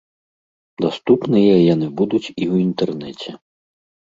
Даступныя яны будуць і ў інтэрнэце.